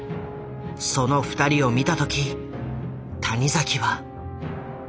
その二人を見た時谷崎は。